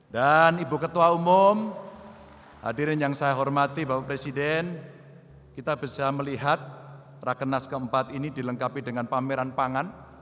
dan ibu ketua umum hadirin yang saya hormati bapak presiden kita bisa melihat rakenas keempat ini dilengkapi dengan pameran pangan